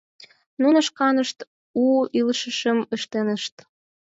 Нуно шканышт у илышым ыштынешт...